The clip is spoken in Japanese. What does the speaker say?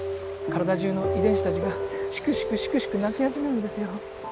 体じゅうの遺伝子たちがシクシクシクシク泣き始めるんですよ。